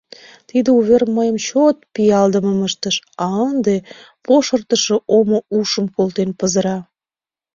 Тиде увер мыйым чот пиалдымым ыштыш, а ынде пошыртышо омо ушым колтен пызыра.